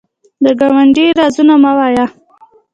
د ګاونډي رازونه مه وایه